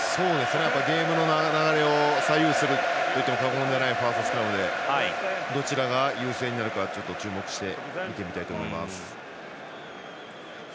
ゲームの流れを左右すると言っても過言ではないファーストスクラムでどちらが優勢になるか注目して、見てみたいと思います。